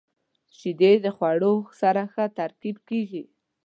• شیدې د خوړو سره ښه ترکیب کیږي.